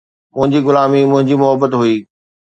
منهنجي غلامي منهنجي محبت هئي